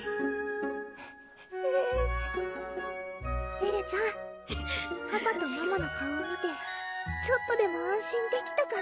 エルちゃんパパとママの顔を見てちょっとでも安心できたかな？